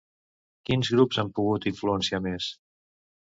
Quins grups han pogut influenciar més?